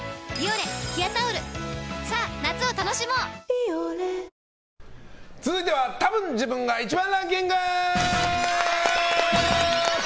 「ビオレ」続いてはたぶん自分が１番ランキング！